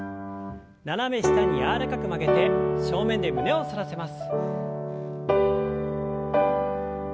斜め下に柔らかく曲げて正面で胸を反らせます。